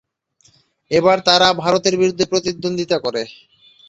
এবার তারা ভারতের বিরুদ্ধে প্রতিদ্বন্দ্বিতা করে।